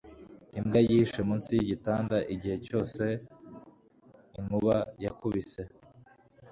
imbwa yihishe munsi yigitanda igihe cyose inkuba yakubise